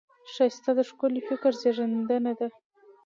ښایست د ښکلي فکر زېږنده ده